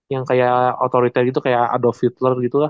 yang kayak autoritair gitu kayak adolf hitler gitu lah